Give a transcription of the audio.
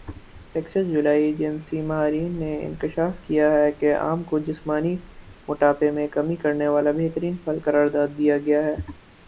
Texas جولائی agency ماہرین نے انکشاف کیا ہے کہ آم کو جسمانی موٹاپے میں کمی کرنے والا بہترین پھل قرار دیا گیا ہے